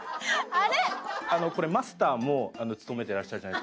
あれ？